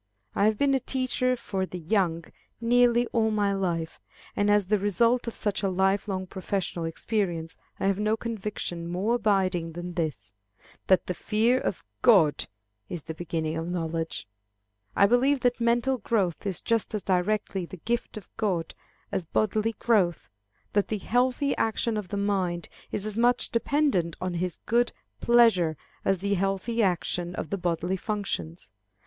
I have been a teacher of the young nearly all my life, and as the result of such a life long professional experience, I have no conviction more abiding than this, that the fear of God is the beginning of knowledge. I believe that mental growth is just as directly the gift of God as bodily growth; that the healthy action of the mind is as much dependent on his good pleasure as the healthy action of the bodily functions.